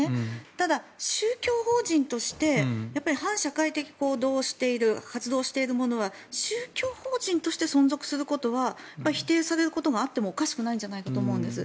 ただ、宗教法人として反社会的行動をしている活動しているものは宗教法人として存続することは否定されることがあってもおかしくないんじゃないかと思うんです。